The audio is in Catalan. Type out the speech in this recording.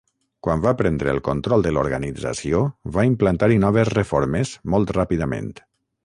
Quan va prendre el control de l'organització, va implantar-hi noves reformes molt ràpidament.